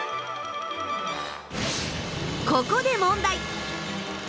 ここで問題！